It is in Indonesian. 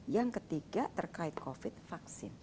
yang ketiga terkait covid vaksin